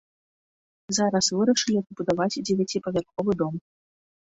Зараз вырашылі пабудаваць дзевяціпавярховы дом.